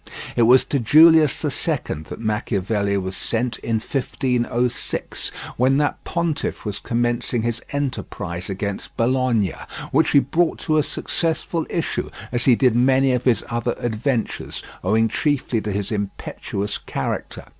It was to Julius II that Machiavelli was sent in 1506, when that pontiff was commencing his enterprise against Bologna; which he brought to a successful issue, as he did many of his other adventures, owing chiefly to his impetuous character.